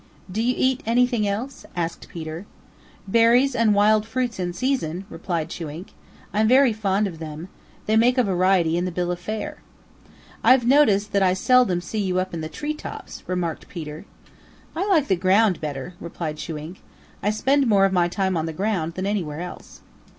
"Do you eat anything else?" asked Peter. "Berries and wild fruits in season," replied Chewink. "I'm very fond of them. They make a variety in the bill of fare." "I've noticed that I seldom see you up in the tree tops," remarked Peter. "I like the ground better," replied Chewink. "I spend more of my time on the ground than anywhere else."